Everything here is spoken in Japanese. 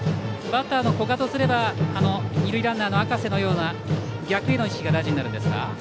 バッターの古賀とすれば二塁ランナーの赤瀬のような逆への意識が大事になるんですか。